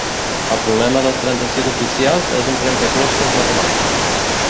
El problema dels trenta-sis oficials és un trencaclosques matemàtic.